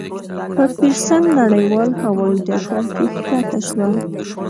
په پېرسن نړیوال هوایي ډګر کې کښته شوه.